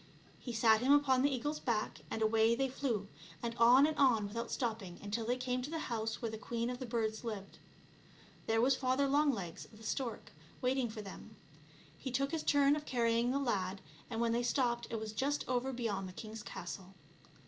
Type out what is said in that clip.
He sat him upon the eagle's back, and away they flew, and on and on without stopping until they came to the house where the queen of the birds lived. There was Father Longlegs (the stork) waiting for them. He took his turn of carrying the lad, and when they stopped it was just over beyond the king's castle.